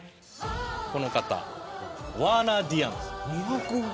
この方ワーナー・ディアンズ。